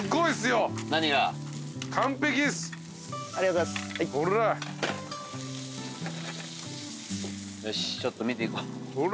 よしちょっと見ていこう。